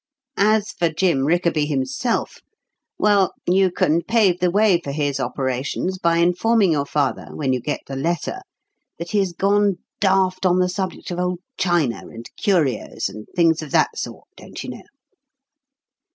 As for 'Jim Rickaby' himself well, you can pave the way for his operations by informing your father, when you get the letter, that he has gone daft on the subject of old china and curios and things of that sort, don't you know."